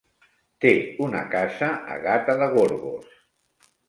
Té una casa a Gata de Gorgos.